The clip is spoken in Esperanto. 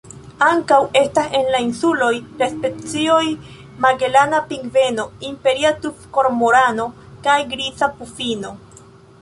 Ankaŭ estas en la insuloj la specioj Magelana pingveno, Imperia tufkormorano kaj Griza pufino.